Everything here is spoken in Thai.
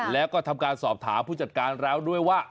แล้วก็ทำการสอบถามผู้จัดการแล้วด้วยว่า